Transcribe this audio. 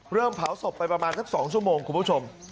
เริ่มเผาศพไปประมาณสัก๒ชั่วโมงคุณผู้ชม